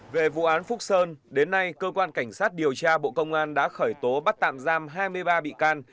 về vụ án phúc sơn đến nay cơ quan cảnh sát điều tra bộ công an đã khởi tố bắt tạm giam hai mươi ba bị can